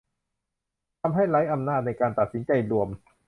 ทำให้ไร้อำนาจในการตัดสินใจร่วม